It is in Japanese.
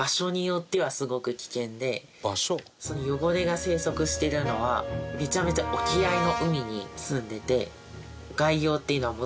ヨゴレが生息してるのはめちゃめちゃ沖合の海に棲んでて。